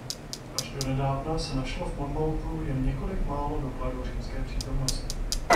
Až donedávna se našlo v Monmouthu jen několik málo dokladů římské přítomnosti.